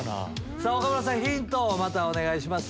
さぁ岡村さんヒントをまたお願いします。